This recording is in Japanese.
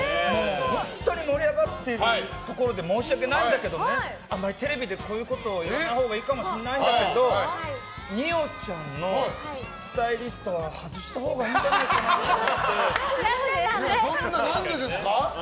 本当に盛り上がってるところで申し訳ないんだけどねあまりテレビでこういうことを言わないほうがいいかもしれないんだけど二葉ちゃんのスタイリストは外したほうがそんな、何でですか。